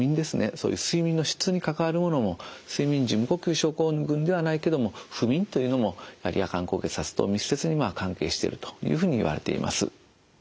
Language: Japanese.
そういう睡眠の質に関わるものも睡眠時無呼吸症候群ではないけども不眠というのも夜間高血圧と密接に関係してるというふうにいわれています。